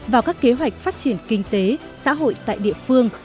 vào các kế hoạch phát triển kinh tế xã hội tại địa phương